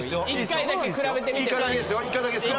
１回だけ。